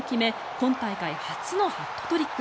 今回初のハットトリック。